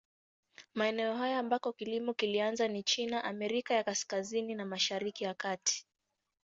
Maeneo haya ambako kilimo kilianza ni China, Amerika ya Kaskazini na Mashariki ya Kati.